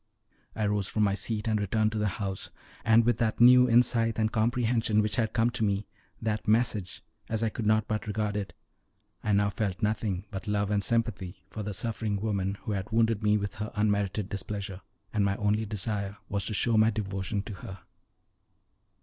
I rose from my seat and returned to the house, and with that new insight and comprehension which had come to me that message, as I could not but regard it I now felt nothing but love and sympathy for the suffering woman who had wounded me with her unmerited displeasure, and my only desire was to show my devotion to her.